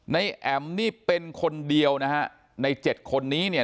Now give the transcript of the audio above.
แอ๋มนี่เป็นคนเดียวนะฮะในเจ็ดคนนี้เนี่ย